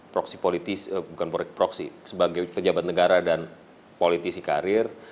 proksi politis bukan proksi sebagai pejabat negara dan politisi karir